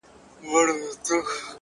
• له کوچۍ پېغلي سره نه ځي د کېږدۍ سندري,